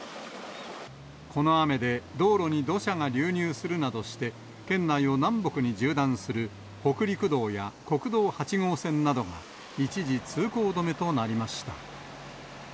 この雨で道路に土砂が流入するなどして、県内を南北に縦断する北陸道や国道８号線などが、一時通行止めとなりました。